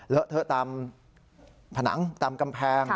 เทอะตามผนังตามกำแพง